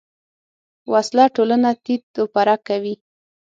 وسله ټولنه تیت و پرک کوي